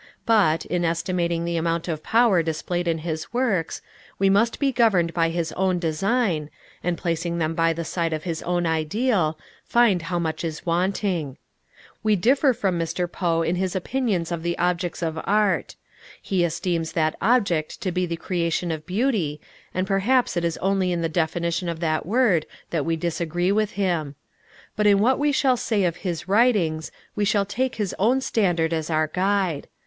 But, in estimating the amount of power displayed in his works, we must be governed by his own design, and placing them by the side of his own ideal, find how much is wanting. We differ from Mr. Poe in his opinions of the objects of art. He esteems that object to be the creation of Beauty, and perhaps it is only in the definition of that word that we disagree with him. But in what we shall say of his writings, we shall take his own standard as our guide.